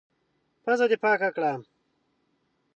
پزه دي پاکه کړه!